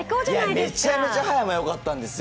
めちゃめちゃ葉山よかったんですよ。